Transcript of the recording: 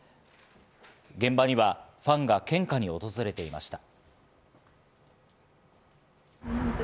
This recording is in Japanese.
現場にはファンが献花に訪れていました。